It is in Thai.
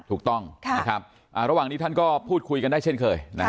ถูกต้องนะครับระหว่างนี้ท่านก็พูดคุยกันได้เช่นเคย